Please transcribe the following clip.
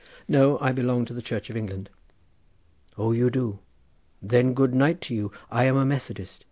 "No, I belong to the Church of England." "O you do. Then good night to you. I am a Methodist.